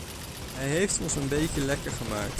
Hij heeft ons een beetje lekker gemaakt.